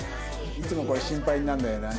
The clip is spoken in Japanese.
いつもこれ心配になるんだよな